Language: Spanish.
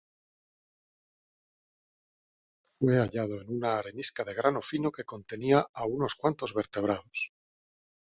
Fue hallado en una arenisca de grano fino que contenía a unos cuantos vertebrados.